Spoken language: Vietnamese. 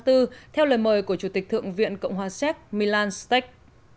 theo lời mời của chủ tịch thượng viện cộng hòa séc milan stech